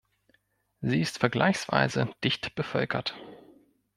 Sie ist vergleichsweise dicht bevölkert.